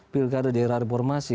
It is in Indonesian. pilkada daerah reformasi